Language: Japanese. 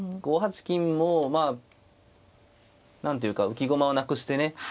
５八金もまあ何ていうか浮き駒をなくしてね